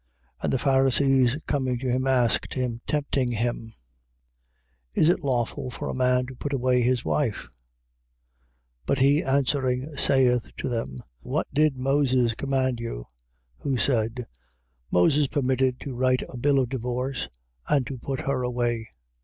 10:2. And the Pharisees coming to him asked him, tempting him: Is it lawful for a man to put away his wife? 10:3. But he answering, saith to them: What did Moses command you? 10:4. Who said: Moses permitted to write a bill of divorce and to put her away.